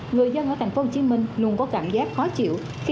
người dân ở tp hcm luôn có cảm giác khó chịu